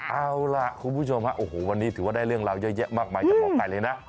เอาล่ะคุณผู้ชมฮะโอ้โหวันนี้ถือว่าได้เรื่องราวเยอะแยะมากมายจากหมอไก่เลยนะ